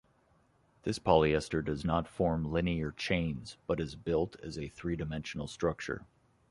This polyester does not form linear chains, but is built as a three-dimensional structure.